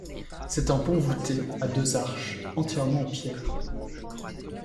C'est un pont vouté à deux arches entièrement en pierre.